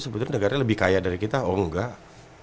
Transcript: sebetulnya negara lebih kaya dari kita oh enggak